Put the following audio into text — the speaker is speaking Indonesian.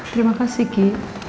terima kasih ki